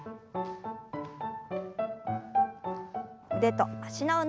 腕と脚の運動です。